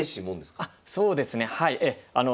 あそうですねはい。